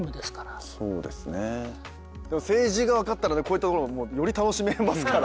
政治が分かったらこういったものより楽しめますから。